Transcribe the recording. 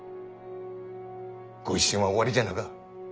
御一新は終わりじゃなか。